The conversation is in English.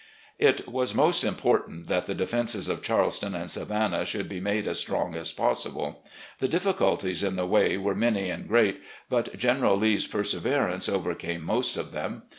It was most important that the defenses of Charleston and Savannah should be made as strong as possible. 'The di£Sculties in the way were many and great, but General LETTERS TO WIFE AND DAUGHTERS 63 Lee's perseverance overcame most of them.